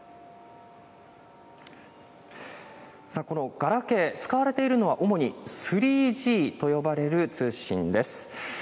このガラケー、使われているのは、主に３Ｇと呼ばれる通信です。